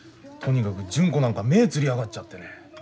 とにかく純子なんか目ぇつり上がっちゃってね。